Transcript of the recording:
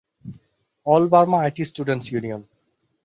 All Burma IT students union.